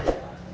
gak tau loh